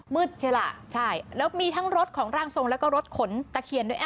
ใช่ล่ะใช่แล้วมีทั้งรถของร่างทรงแล้วก็รถขนตะเคียนด้วย